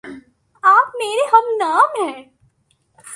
آپ میرے ہم نام ہےـ